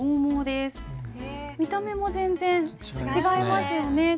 見た目も全然違いますよね。